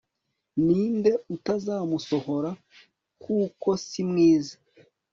Ninde utazamusohora kuko si mwiza